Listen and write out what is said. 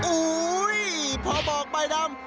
อุ้ยพอบอกใบดำ